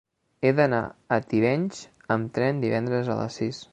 He d'anar a Tivenys amb tren divendres a les sis.